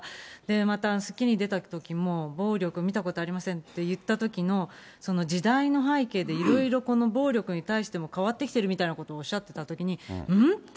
またスッキリに出たときも、暴力、見たことありませんって言ったときの、その時代の背景で、いろいろこの暴力に対しても変わってきてるみたいなことをおっしゃってたときに、うん？